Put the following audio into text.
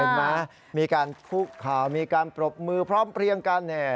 เห็นมั้ยมีการพูดข่าวมีการปรบมือพร้อมเพลียงกันเนี่ย